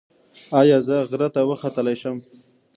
ایا زه غره ته وختلی شم؟